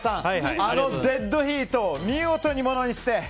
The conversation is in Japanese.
あのデッドヒートを見事にものにして。